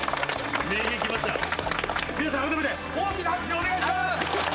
皆さん改めて大きな拍手をお願いします！